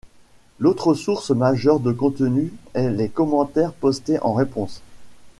L'autre source majeure de contenu est les commentaires postés en réponse.